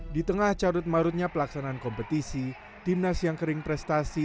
di tengah carut marutnya pelaksanaan kompetisi timnas yang kering prestasi